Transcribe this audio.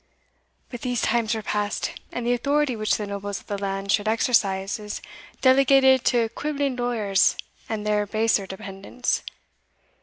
But these times are past, and the authority which the nobles of the land should exercise is delegated to quibbling lawyers and their baser dependants.